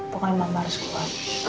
pokoknya mama harus keluar